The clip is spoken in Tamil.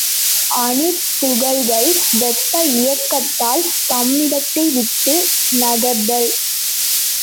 அணுத் துகள்கள் வெப்ப இயக்கத்தால் தம்மிடத்தை விட்டு நகர்தல்.